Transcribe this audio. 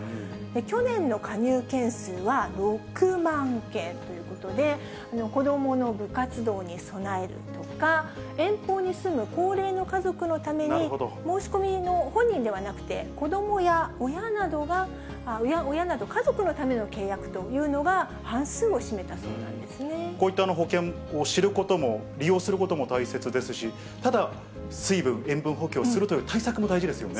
去年の加入件数は６万件ということで、子どもの部活動に備えるとか、遠方に住む高齢の家族のために、申し込みも、本人ではなくて子どもや親など家族のための契約というのが半数をこういった保険を知ることも、利用することも大切ですし、ただ、水分、塩分補給をするという対策も大事ですよね。